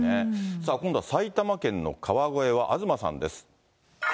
さあ、今度は埼玉県の川越は東さんです。